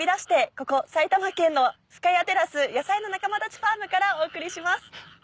ここ埼玉県の深谷テラスヤサイな仲間たちファームからお送りします。